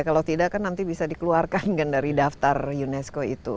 kalau tidak kan nanti bisa dikeluarkan kan dari daftar unesco itu